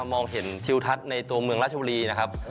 มองเห็นทิวทัศน์ในตัวเมืองราชบุรีนะครับ